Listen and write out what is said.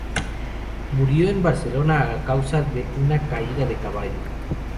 Murió en Barcelona a causa de una caída de caballo.